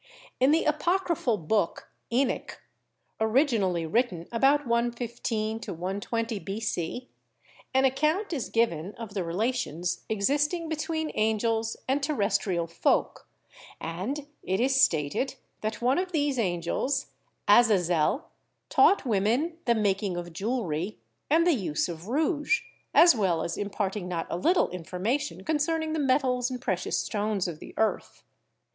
In the apocryphal book "Enoch," originally written about 1 15 120 B.C., an account is given of the relations existing between angels and ter restrial folk, and it is stated that one of these angels, Azazel, taught women the making of jewelry and the use of rouge, as well as imparting not a little information con cerning the metals and precious stones of the earth.